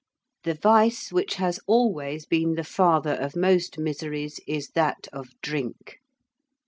] The vice which has always been the father of most miseries is that of drink.